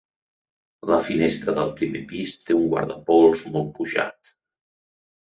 La finestra del primer pis té un guardapols molt pujat.